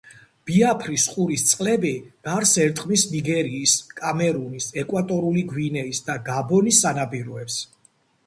ბიაფრის ყურის წყლები გარს ერტყმის ნიგერიის, კამერუნის, ეკვატორული გვინეის და გაბონის სანაპიროებს.